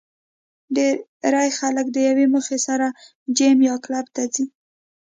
ډېری خلک د یوې موخې سره جېم یا کلب ته ځي